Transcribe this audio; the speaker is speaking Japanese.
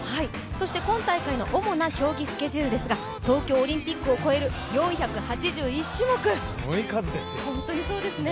そして今大会の主な競技スケジュールですが東京オリンピックを超える４８１種目本当にそうですよ。